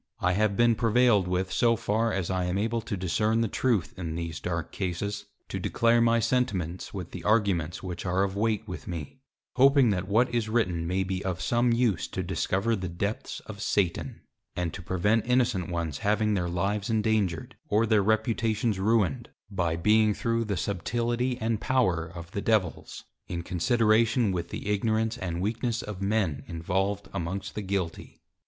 I have been prevailed with so far as I am able to discern the Truth in these dark Cases, to declare my Sentiments, with the Arguments which are of weight with me, hoping that what is written may be of some use to discover the Depths of Satan; and to prevent innocent ones having their Lives endangered, or their Reputations ruined, by being through the Subtility and Power of the Devils, in consideration with the Ignorance and Weakness of Men, involved amongst the Guilty.